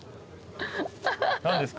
何ですか？